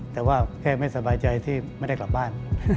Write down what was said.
แต่ว่าแค่ไม่สบายใจที่ไม่ได้กลับบ้าน